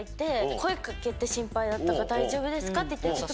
声かけて心配だったから大丈夫ですか？って言って。